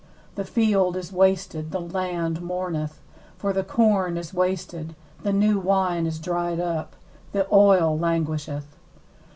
10The field is wasted, the land mourneth; for the corn is wasted: the new wine is dried up, the oil languisheth.